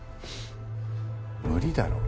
無理だろ。